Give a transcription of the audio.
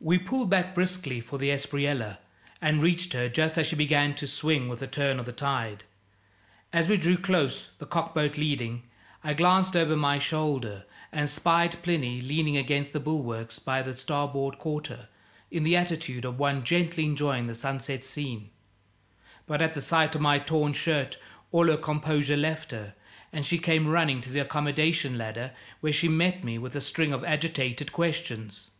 We pulled back briskly for the Espriella and reached her just as she began to swing with the turn of the tide. As we drew close the cockboat leading I glanced over my shoulder and spied Plinny leaning against the bulwarks by the starboard quarter, in the attitude of one gently enjoying the sunset scene; but at the sight of my torn shirt all her composure left her, and she came running to the accommodation ladder, where she met me with a string of agitated questions.